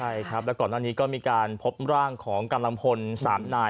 ใช่ครับแล้วก่อนหน้านี้ก็มีการพบร่างของกำลังพล๓นาย